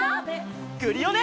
クリオネ！